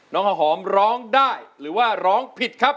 น้องข้าวหอมร้องได้หรือว่าร้องผิดครับ